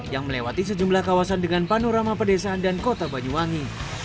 yang melewati sejumlah kawasan dengan panorama pedesaan dan kota banyuwangi